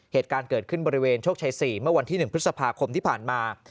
เหตุการณ์เกิดขึ้นบริเวณโชคชัย๔เมื่อวันที่๑พฤษภาคมที่ผ่านมา